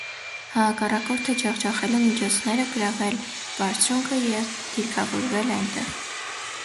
Հակառակորդը ջախջախելու միջոցները՝ գրաւել բարձունքը եւ դիրքաւորուիլ այնտեղ։